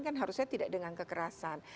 kan harusnya tidak dengan kekerasan